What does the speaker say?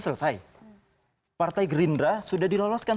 selesai partai gerindra sudah diloloskan